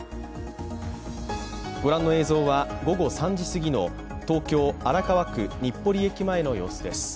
ご覧の映像は午後３時すぎの東京・荒川区日暮里駅前の様子です。